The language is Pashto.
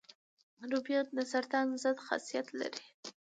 رومیان د سرطان ضد خاصیت لري